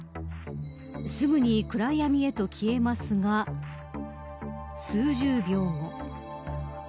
すぐに暗闇へと消えますが数十秒後。